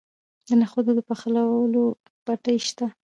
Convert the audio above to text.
د نخودو د پخولو بټۍ شته.